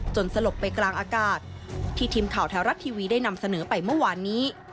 สลบไปกลางอากาศที่ทีมข่าวแท้รัฐทีวีได้นำเสนอไปเมื่อวานนี้